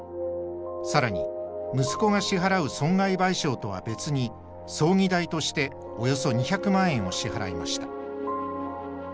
更に息子が支払う損害賠償とは別に葬儀代としておよそ２００万円を支払いました。